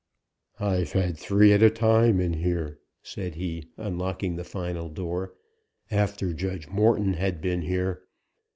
"I've had three at a time in here," said he, unlocking the final door, "after Judge Morton had been here.